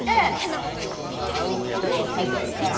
あんこがあんころを配達か。